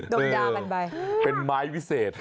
ดมยาแบบใบเป็นไม้วิเศษ